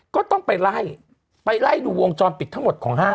ก็ต้องไปไล่ไปไล่ดูวงจรปิดทั้งหมดของห้าง